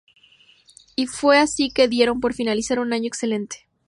Y fue así que dieron por finalizado un año excelente.